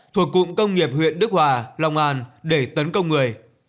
thuộc cụm công nghiệp huyện đức hòa long an để tấn công người